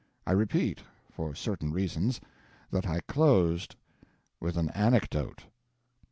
I repeat for certain reasons that I closed with an anecdote.